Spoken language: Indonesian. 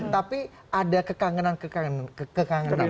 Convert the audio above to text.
tapi ada kekangenan kekangenan